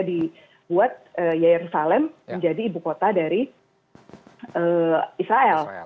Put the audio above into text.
dibuat yair salem menjadi ibu kota dari israel